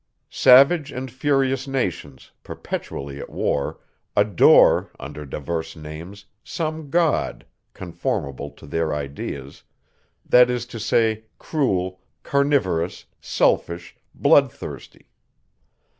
Savage and furious nations, perpetually at war, adore, under divers names, some God, conformable to their ideas, that is to say, cruel, carnivorous, selfish, blood thirsty.